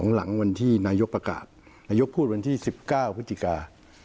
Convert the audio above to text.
หลังวันที่นายกประกาศนายกพูดวันที่๑๙พฤศจิกา